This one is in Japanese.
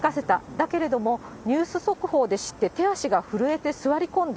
だけれども、ニュース速報で知って手足が震えて座り込んだ。